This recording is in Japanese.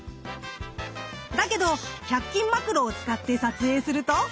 だけど１００均マクロを使って撮影すると。